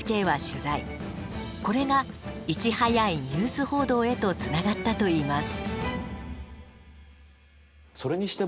これがいち早いニュース報道へとつながったといいます。